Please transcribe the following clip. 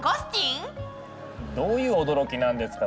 どういう驚きなんですか？